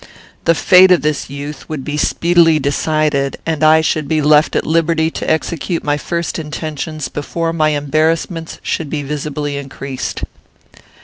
The fate of this youth would be speedily decided, and I should be left at liberty to execute my first intentions before my embarrassments should be visibly increased.